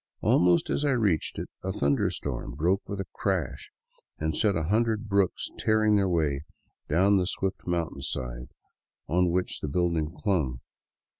Almost as I reached it a thunder storm broke with a crash, and set a hundred brooks tearing their way down the swift mountainside on which the building clung.